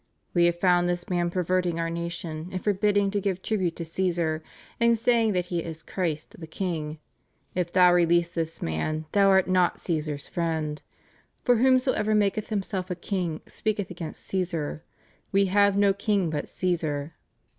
" We have found this man perverting our nation, and forbidding to give tribute to Caesar, and saying that he is Christ, the king. ... If thou release this man, thou are not Csesar's friend. For whomsoever maketh himself a king, speaketh against Caesar. ... We have no king but Caesar."